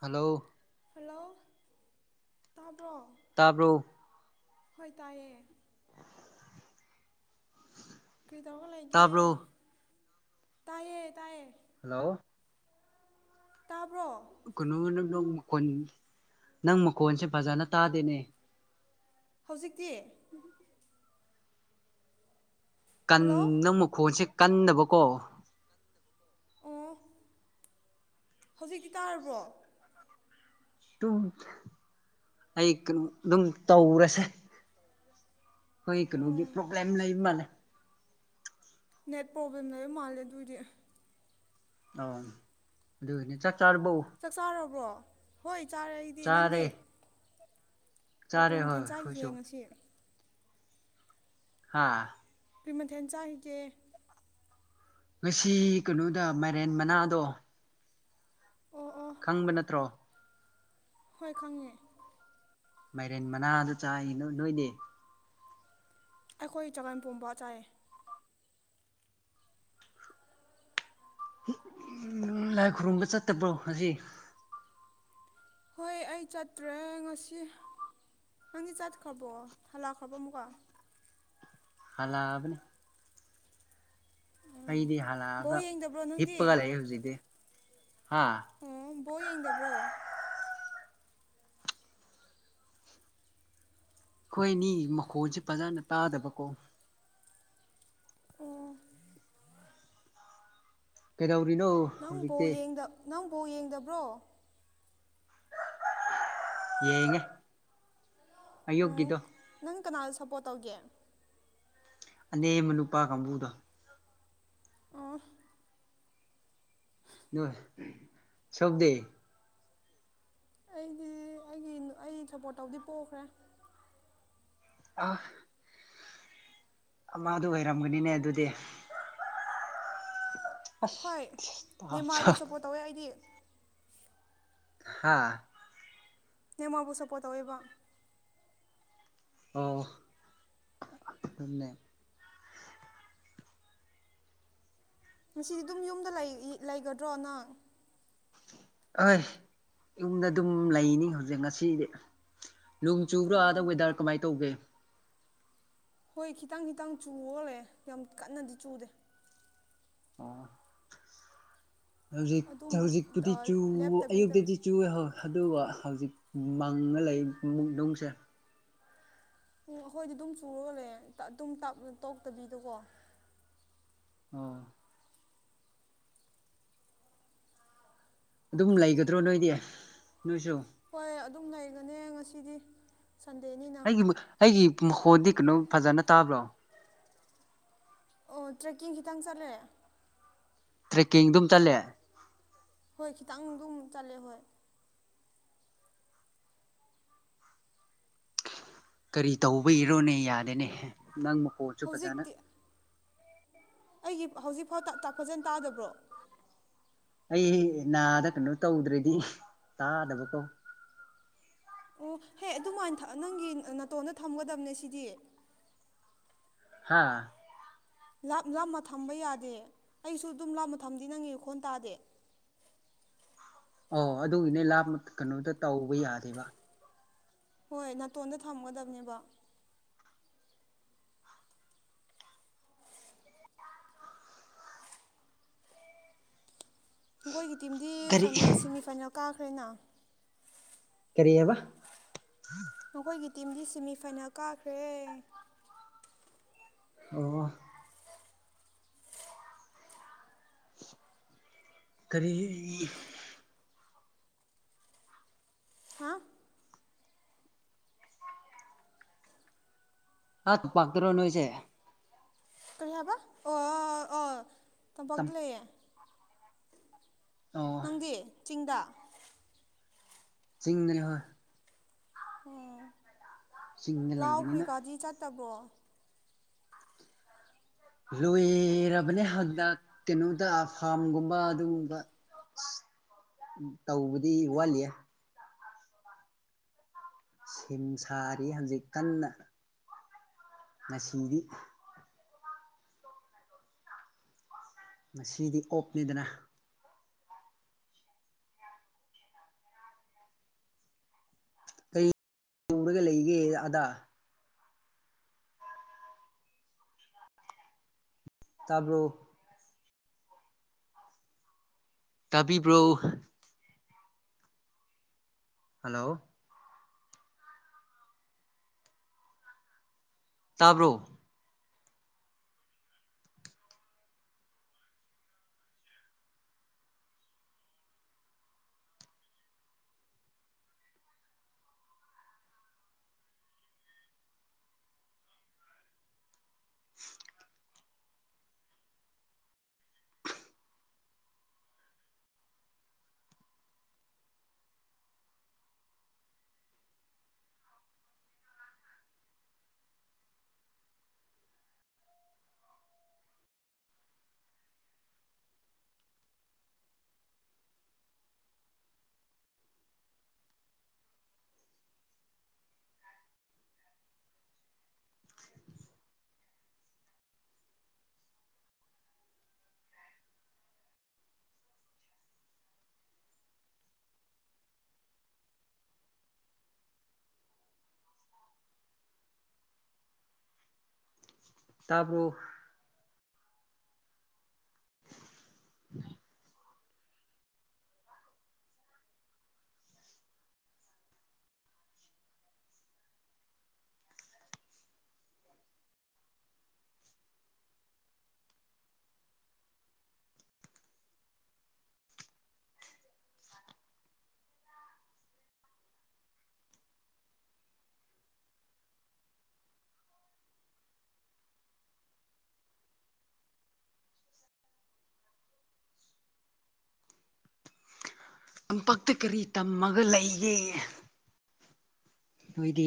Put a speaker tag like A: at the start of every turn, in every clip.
A: hello
B: hello ꯇꯥꯕ꯭ꯔꯣ
A: ꯇꯥꯕ꯭ꯔꯣ
B: ꯍꯣꯏ ꯇꯥꯏꯌꯦ ꯀꯩꯗꯧꯒ ꯂꯩꯒꯦ
A: ꯇꯥꯕ꯭ꯔꯣ
B: ꯇꯥꯏꯌꯦ ꯇꯥꯏꯌꯦ
A: ꯍꯜꯂꯣ
B: ꯇꯥꯕ꯭ꯔꯣ
A: ꯀꯩꯅꯣ ꯅꯪ ꯃꯈꯣꯟ ꯅꯪ ꯃꯈꯣꯟꯁꯦ ꯐꯖꯥꯅ ꯇꯥꯗꯦꯅꯦ
B: ꯍꯧꯖꯤꯛꯇꯤ ꯍꯜꯂꯣ
A: ꯀꯟꯅ ꯃꯈꯣꯟꯁꯦ ꯀꯟꯅꯕꯀꯣ
B: ꯑꯣ ꯍꯧꯖꯤꯛꯇꯤ ꯇꯥꯔꯕ꯭ꯔꯣ
A: ꯑꯗꯨꯝ ꯑꯩ ꯀꯩꯅꯣ ꯑꯗꯨꯝ ꯇꯧꯔꯁꯦ ꯑꯩꯈꯣꯏ
B: ꯑꯣ
A: ꯀꯩꯅꯣꯒꯤ ꯄ꯭ꯔꯣꯕ꯭ꯂꯦꯝ ꯂꯩꯕ ꯃꯥꯜꯂꯦ
B: ꯅꯦꯠ ꯄ꯭ꯔꯣꯕ꯭ꯂꯦꯝ ꯂꯩꯕ ꯃꯥꯜꯂꯦ ꯑꯗꯨꯑꯣꯏꯗꯤ
A: ꯑ ꯑꯗꯨꯅꯤ ꯆꯥꯛ ꯆꯥꯔꯕꯧ
B: ꯆꯥꯛ ꯆꯥꯔꯕ꯭ꯔꯣ ꯍꯣꯏ ꯆꯥꯔ ꯑꯩꯗꯤ
A: ꯆꯥꯔꯦ
B: ꯅꯪꯗꯤ ꯑꯣ
A: ꯆꯥꯔꯦ
B: ꯀꯔꯤ
A: ꯍꯣꯏ
B: ꯃꯊꯦꯟ
A: ꯑꯩꯈꯣꯏꯁꯨ
B: ꯆꯥꯒꯤꯒꯦ ꯉꯁꯤ
A: ꯍꯥꯥ
B: ꯀꯩ ꯃꯊꯦꯜ ꯆꯥꯈꯤꯒꯦ
A: ꯉꯁꯤ ꯀꯩꯅꯣꯗ ꯃꯥꯏꯔꯦꯟ ꯃꯅꯥꯗꯣ
B: ꯑꯣ ꯑꯣ
A: ꯈꯪꯕ ꯅꯠꯇ꯭ꯔꯣ
B: ꯍꯣꯏ ꯈꯪꯉꯦ
A: ꯃꯥꯏꯔꯦꯟ ꯃꯅꯥꯗ ꯆꯥꯏ ꯅ ꯅꯣꯏꯅꯦ
B: ꯑꯩꯈꯣꯏ ꯆꯉꯟ ꯄꯣꯝꯕ ꯆꯥꯏ
A: ꯎ ꯂꯥꯏ ꯈꯨꯔꯨꯝꯕ ꯆꯠꯇꯕ꯭ꯔꯣ ꯍꯧꯖꯤꯛ
B: ꯍꯣꯏ ꯑꯩ ꯆꯠꯇ꯭ꯔꯦ ꯉꯁꯤ ꯅꯪꯗꯤ ꯆꯥꯠꯈ꯭ꯔꯕꯣ ꯍꯜꯂꯛꯈ꯭ꯔꯕꯣ ꯑꯃꯨꯛꯀ
A: ꯍꯂꯕꯅꯦ ꯑꯩꯗꯤ
B: ꯕꯣꯜ
A: ꯍꯜꯂꯛꯑꯒ
B: ꯌꯦꯡꯗꯕ꯭ꯔꯣ ꯅꯪꯗꯤ
A: ꯍꯤꯞꯄꯒ ꯂꯩ ꯍꯧꯖꯤꯛꯇꯤ ꯍꯥ
B: ꯑꯣ ꯕꯣ ꯌꯦꯡꯗꯕ꯭ꯔꯣ
A: ꯑꯩꯈꯣꯏꯅꯤ ꯃꯈꯣꯟꯁꯦ ꯐꯖꯅ ꯇꯥꯗꯕꯀꯣ
B: ꯑ
A: ꯀꯩꯗꯧꯔꯤꯅꯣ
B: ꯅꯪꯕꯨ
A: ꯍꯧꯖꯤꯛꯇꯤ
B: ꯅꯪꯕꯨ ꯌꯦꯡꯗꯕ꯭ꯔꯣ
A: ꯌꯦꯡꯉ
B: ꯑꯣ
A: ꯑꯌꯨꯛꯀꯤꯗꯣ
B: ꯅꯪ ꯀꯅꯥꯗ ꯁꯞꯄꯣꯔꯠ ꯇꯧꯒꯦ
A: ꯑ ꯃꯅꯨꯄꯥ ꯀꯥꯡꯕꯨꯗ
B: ꯑꯣ
A: ꯣꯏ ꯁꯣꯛꯗ
B: ꯑꯩꯗꯤ ꯑꯩꯒꯤ ꯑꯩ ꯁꯞꯄꯣꯔꯠ ꯇꯧꯗꯤ ꯄꯣꯛꯈ꯭ꯔꯦ
A: ꯑ ꯃꯥꯗꯨ ꯑꯣꯏꯔꯝꯒꯅꯤꯅꯦ ꯑꯗꯨꯗꯤ
B: ꯍꯣꯏ
A: ꯑꯁ
B: ꯅꯦꯝꯃꯥꯔꯕꯨ ꯁꯞꯄꯣꯔꯠ ꯇꯧꯋꯦ ꯑꯩꯗꯤ
A: ꯍꯥꯥ
B: ꯅ ꯃꯣꯏꯕꯨ ꯁꯞꯄꯣꯔꯠ ꯇꯧꯋꯤꯕ
A: ꯑꯣ ꯑꯗꯨꯅꯦ
B: ꯉꯁꯤꯗꯤ ꯑꯗꯨꯝ ꯌꯨꯝꯗ ꯂꯩꯒꯗ꯭ꯔꯣ ꯅꯪ
A: ꯑꯍꯣꯏ ꯌꯨꯝꯗ ꯑꯗꯨꯝ ꯂꯩꯅꯤ ꯍꯧꯖꯤꯛ ꯉꯁꯤꯗꯤ ꯅꯣꯡ ꯆꯨꯕ꯭ꯔꯥ
B: ꯎꯝ
A: ꯑꯗ ꯋꯦꯗꯔ ꯀꯃꯥꯏꯅ ꯇꯧꯒꯦ
B: ꯍꯣꯏ ꯈꯤꯇꯪ ꯈꯤꯇꯪ ꯆꯨꯍꯣꯜꯂꯦ ꯌꯥꯝ ꯀꯟꯅꯗꯤ ꯆꯨꯗꯦ
A: ꯑꯣ ꯍꯧꯖꯤꯛ
B: ꯑꯗꯨꯝ
A: ꯍꯧꯖꯤꯛꯄꯨꯗꯤ
B: ꯑ
A: ꯆꯨ
B: ꯂꯦꯞꯇꯕꯤꯗ
A: ꯑꯌꯨꯛꯇꯗꯤ ꯆꯨꯏꯍꯣꯏ ꯑꯗꯨꯒ ꯍꯧꯖꯤꯛ ꯃꯪꯉ ꯂꯩꯨꯛ ꯅꯨꯡꯁꯦ
B: ꯎ ꯑꯩꯈꯣꯏꯗꯤ ꯑꯗꯨꯝ ꯆꯨꯔꯣꯂꯦ ꯑꯗꯨꯝ ꯇꯣꯛꯇꯕꯤꯗꯀꯣ
A: ꯑꯣꯝ ꯑꯗꯨꯝ ꯂꯩꯒꯗ꯭ꯔꯣ ꯅꯣꯏꯗꯤ ꯅꯣꯏꯁꯨ
B: ꯍꯣꯏ ꯑꯗꯨꯝ ꯂꯩꯒꯅꯤ ꯉꯁꯤꯗꯤ ꯁꯟꯗꯦꯅꯤ
A: ꯑꯩꯒꯤ ꯑꯩꯒꯤ ꯃꯈꯣꯟꯗꯤ ꯀꯩꯅꯣ ꯐꯖꯅ ꯇꯥꯕ꯭ꯔꯣ
B: ꯑꯣ ꯇ꯭ꯔꯦꯛꯀꯤꯡ ꯈꯤꯇꯪ ꯆꯠꯂꯦ
A: ꯇ꯭ꯔꯦꯛꯀꯤꯡ ꯑꯗꯨꯝ ꯆꯠꯂꯦ
B: ꯍꯣꯏ ꯈꯤꯇꯪ ꯑꯗꯨꯝ ꯆꯠꯂꯦ ꯍꯣꯏ
A: ꯀꯔꯤ ꯇꯧꯕ ꯏꯔꯣꯅꯦ ꯌꯥꯗꯦꯅꯦ ꯅꯪ ꯃꯈꯣꯟꯁꯨ ꯐꯖꯅ
B: ꯍꯧꯖꯤꯛꯇꯤ ꯑꯩꯒꯤ ꯍꯧꯖꯤꯛꯐꯥꯗ [unintelligible] ꯐꯖꯅ ꯇꯥꯗꯕ꯭ꯔꯣ
A: ꯑꯩ ꯅꯥꯗ ꯀꯩꯅꯣ ꯇꯧꯗ꯭ꯔꯦꯗꯤ ꯇꯥꯗꯕ ꯀꯧ
B: ꯑꯣ ꯍꯦ ꯑꯗꯨꯃꯥꯏꯅ ꯅꯪꯒꯤ ꯅꯥꯇꯣꯟꯗ ꯊꯝꯒꯗꯕꯅꯦ ꯁꯤꯗꯤ
A: ꯍꯥꯥ
B: ꯂꯥꯝꯃ ꯊꯝꯕ ꯌꯥꯗꯦ ꯑꯩꯁꯨ ꯑꯗꯨꯝ ꯂꯥꯃ ꯊꯝꯗꯤ ꯅꯪꯉꯤ ꯈꯣꯟ ꯇꯥꯗꯦ
A: ꯑꯣ ꯑꯗꯨꯒꯤꯅꯦ ꯂꯥꯞ ꯀꯩꯅꯣꯗ ꯇꯧꯕ ꯌꯥꯗꯦꯕ
B: ꯍꯣꯏ ꯅꯥꯇꯣꯟꯗ ꯊꯝꯒꯗꯕꯅꯦꯕ ꯅꯈꯣꯏꯒꯤ ꯇꯤꯝꯗꯤ
A: ꯀꯔꯤ
B: ꯐꯥꯏꯅꯦꯜ ꯁꯦꯃꯤ ꯐꯥꯏꯅꯦꯜ ꯀꯥꯈ꯭ꯔꯦꯅ
A: ꯀꯔꯤ ꯍꯥꯏꯕ
B: ꯅꯈꯣꯏꯒꯤ ꯇꯤꯝꯗꯤ ꯁꯦꯃꯤꯐꯥꯏꯅꯦꯜ ꯀꯥꯈ꯭ꯔꯦ
A: ꯑꯣ ꯀꯔꯤ
B: ꯍꯥ
A: ꯑꯨ ꯄꯥꯛꯇꯔꯣ ꯅꯣꯏꯁꯦ
B: ꯀꯔꯤ ꯍꯥꯏꯕ ꯑꯣ ꯑꯣ ꯇꯣꯝꯄꯥꯛꯇ ꯂꯩꯌꯦ
A: ꯑꯣ
B: ꯅꯪꯒꯤ ꯆꯤꯡꯗ
A: ꯆꯤꯡꯗꯅꯦ ꯍꯣꯏ
B: ꯑ
A: ꯆꯤꯡꯗ
B: ꯂꯥꯎ
A: ꯂꯩꯕꯅꯤꯅ
B: ꯀ꯭ꯔꯤꯀꯥꯗꯤ ꯆꯠꯇꯕ꯭ꯔꯣ
A: ꯂꯣꯏꯔꯕꯅꯦ ꯍꯟꯗꯛ ꯀꯩꯅꯣꯗ ꯐꯥꯝꯒꯨꯝꯕ ꯑꯗꯨꯒꯨꯝꯕ
B: [inaudible]
A: ꯇꯧꯕꯗꯤ ꯋꯥꯠꯂꯤꯦ ꯁꯦꯝ ꯁꯥꯔꯤ ꯍꯧꯖꯤꯛ ꯀꯟꯅ ꯉꯁꯤꯗꯤ ꯃꯁꯤꯗꯤ ꯑꯣꯞꯅꯤꯗꯅ ꯇꯔꯒ ꯂꯩꯒꯦ ꯑꯗꯥ ꯇꯥꯔꯕ꯭ꯔꯣ ꯇꯕꯤꯕ꯭ꯔꯣ ꯍꯜꯂꯣ ꯇꯥꯕ꯭ꯔꯣ [inaudible] ꯇꯥꯕ꯭ꯔꯣ [inaudible] ꯇꯝꯄꯛꯇ ꯀꯔꯤ ꯇꯝꯃꯒ ꯂꯩꯒꯦ ꯑꯩꯈꯣꯏꯗꯤ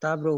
A: ꯇꯥꯕ꯭ꯔꯣ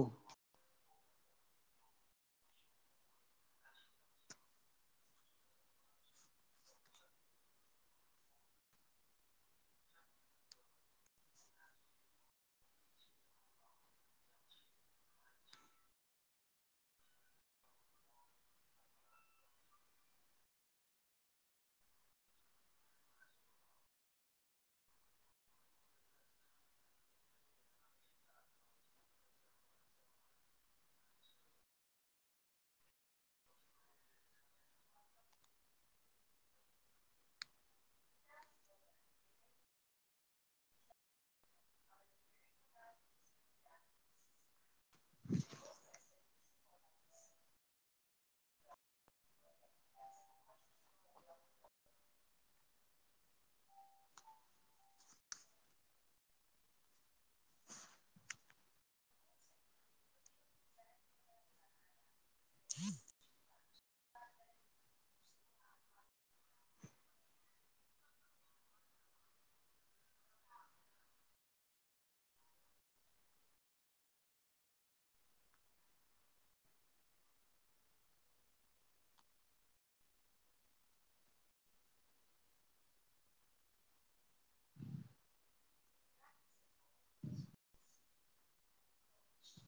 A: ꯁꯤ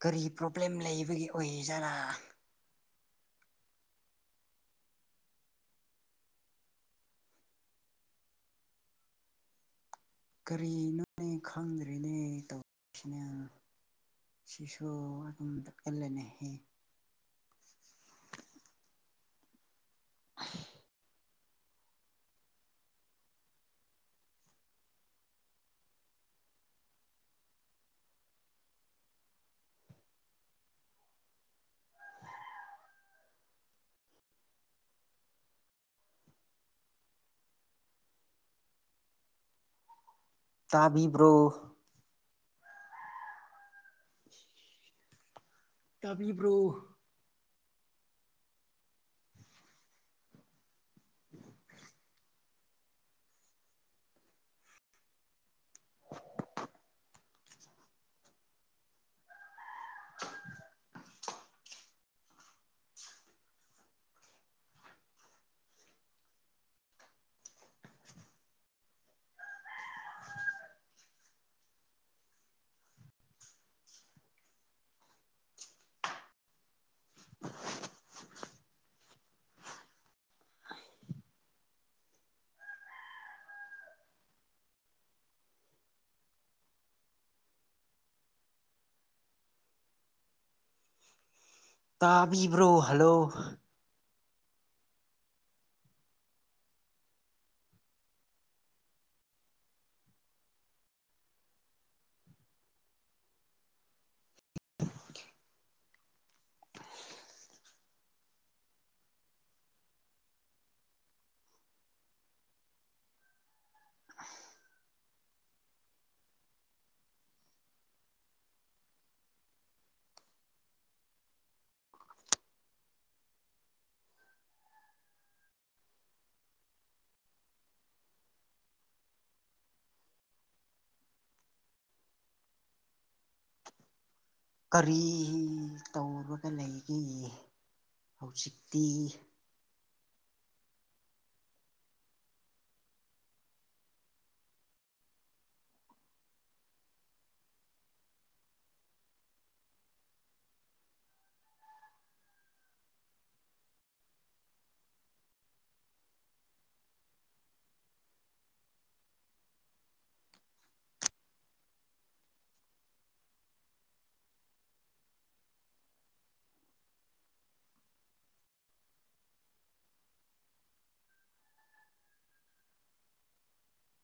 A: ꯀꯔꯤ ꯄ꯭ꯔꯣꯕ꯭ꯂꯦꯝ ꯂꯩꯕꯒꯤ ꯑꯣꯏꯖꯥꯔꯥ ꯀꯔꯤꯅꯣꯅꯦ ꯈꯪꯗ꯭ꯔꯤꯅꯦ ꯇꯧꯁꯤꯅꯦ ꯁꯤꯁꯨ ꯑꯗꯨꯝꯠꯀꯜꯂꯅꯤꯍꯦ ꯑ ꯇꯥꯕꯤꯕ꯭ꯔꯣ ꯇꯕꯤꯕ꯭ꯔꯣ [unintelligible] [inaudible] [inaudible] ꯇꯥꯕꯤꯕ꯭ꯔꯣ ꯍꯜꯂꯣ ꯀꯔꯤ ꯇꯧꯔꯒ ꯂꯩꯒꯦ ꯍꯧꯖꯤꯛꯇꯤ